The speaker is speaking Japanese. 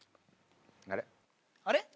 あれ？